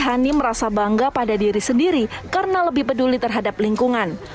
hani merasa bangga pada diri sendiri karena lebih peduli terhadap lingkungan